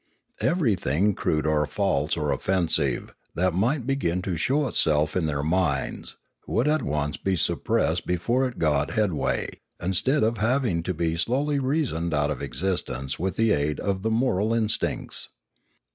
Everything crude or false or offensive, that might begin to show itself in their minds, would be at once suppressed before it got head way, instead of having to be slowly reasoned out of existence with the aid of the moral instincts.